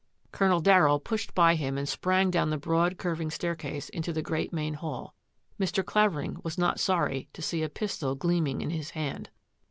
Colonel Darryll pushed by him and sprang down the broad, curving staircase into the great main hall. Mr. Clavering was not sorry to see a pistol gleaming in his hand.